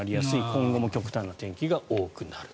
今後も極端な天気が多くなる。